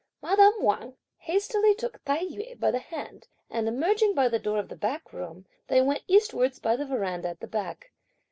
Madame Wang hastily took Tai yü by the hand, and emerging by the door of the back room, they went eastwards by the verandah at the back.